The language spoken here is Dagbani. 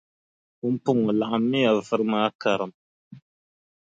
Pumpɔŋɔ laɣimmiya vuri maa karim.